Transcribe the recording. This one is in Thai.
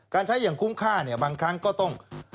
ใช้อย่างคุ้มค่าเนี่ยบางครั้งก็ต้อง